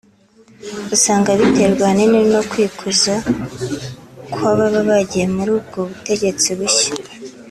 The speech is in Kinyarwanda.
usanga biterwa ahanini no kwikuza kw’ababa bagiye mur’ubwo butegetsi bushya